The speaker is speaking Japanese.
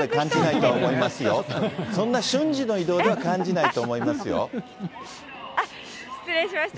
そんな瞬時の移動で感じないとは思いますよ。